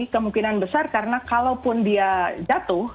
kemungkinan besar karena kalaupun dia jatuh